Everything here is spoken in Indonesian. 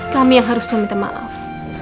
kami yang harusnya minta maaf